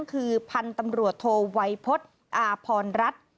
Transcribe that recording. คือพันธ์ตำรวจโทวัยพจน์อพรรณรัฐ